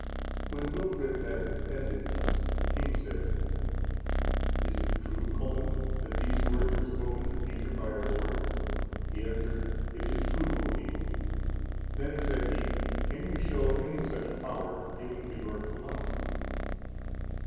"(475) When Wilfrid had ended thus, the king said, "Is it true, Colman, that these words were spoken to Peter by our Lord?" He answered, "It is true, O king!" Then said he, "Can you show any such power given to your Columba?"